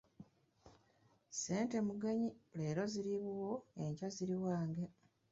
Ssente mugenyi, leero ziri wuwo enkya ziri wange.